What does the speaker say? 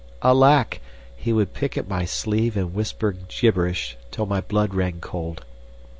Alack! He would pick at my sleeve and whisper gibberish till my blood ran cold.